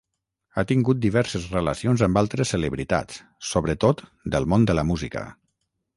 Ha tingut diverses relacions amb altres celebritats, sobretot del món de la música.